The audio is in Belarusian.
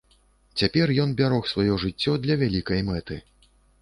Цяпер ён бярог сваё жыццё для вялікай мэты.